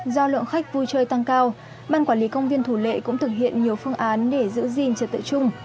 do lượng khách vui chơi tăng cao ban quản lý công viên thủ lệ cũng thực hiện nhiều phương án để giữ gìn trật tự chung